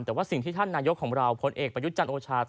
แต่ว่าสิ่งที่ท่านนายกของเราผลเอกประยุทธ์จันทร์โอชา